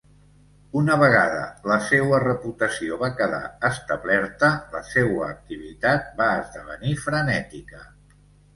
Una vegada la seua reputació va quedar establerta, la seua activitat va esdevenir frenètica.